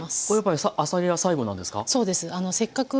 これやっぱりあさりは最後なんですか？